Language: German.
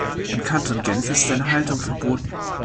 Im Kanton Genf ist seine Haltung verboten.